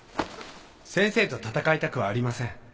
先生と戦いたくはありません